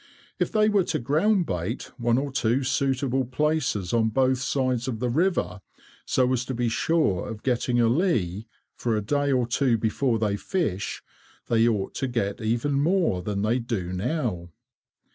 If they were to groundbait one or two suitable places on both sides of the river, so as to be sure of getting a lee, for a day or two before they fish, they ought to get even more than they do now.